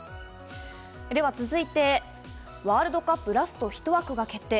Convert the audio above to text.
続いて、ワールドカップ、ラストひと枠決定。